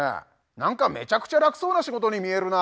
何かめちゃくちゃ楽そうな仕事に見えるな。